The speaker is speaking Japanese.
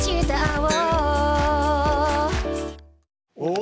お！